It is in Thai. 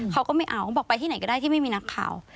เขาก็ไม่เอาเขาบอกไปที่ไหนก็ได้ที่ไม่มีนักข่าว